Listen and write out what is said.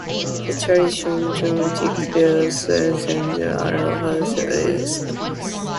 The tradition of dramatic verse extends at least as far back as ancient Greece.